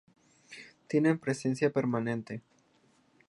Tienen presencia permanente.